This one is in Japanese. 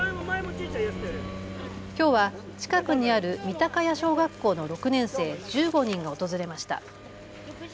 きょうは近くにある三田ヶ谷小学校の６年生１５人が訪れました。